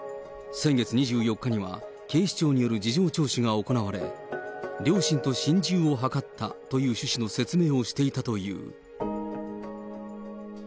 先月２４日には、警視庁による事情聴取が行われ、両親と心中を図ったという趣旨の説明をしていたという。